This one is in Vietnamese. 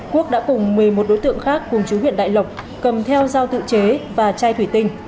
quốc đã cùng một mươi một đối tượng khác cùng chú huyện đại lộc cầm theo dao tự chế và chai thủy tinh